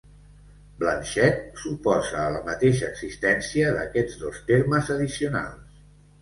Blanchet s'oposa a la mateixa existència d'aquests dos termes addicionals.